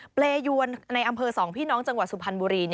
เปรยวนในอำเภอ๒พี่น้องจังหวัดสุพรรณบุรี